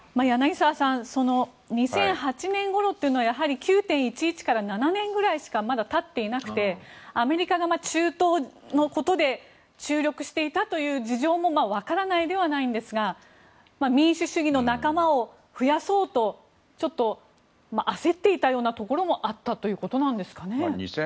柳澤さんその２００８年ごろというのはやはり９・１１から７年ぐらいしかまだたっていなくてアメリカが中東のことで注力していたという事情もわからないではないんですが民主主義の仲間を増やそうとちょっと焦っていたようなところもあったということなんですかね。